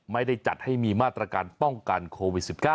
ไม่ได้จัดให้มีมาตรการป้องกันโควิด๑๙